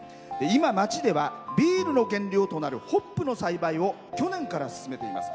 今、町ではビールの原料となるホップの栽培を去年から進めています。